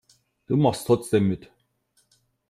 Du machst trotzdem mit.